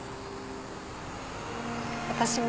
私も。